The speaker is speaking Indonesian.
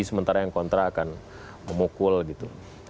sementara yang kontra akan memukul gitu